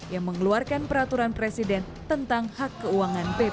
yang mengeluarkan peraturan presiden tentang hak keuangan pp